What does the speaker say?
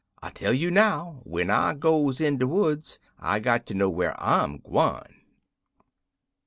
I tell you now, when I goes in de woods, I got ter know whar I'm gwine."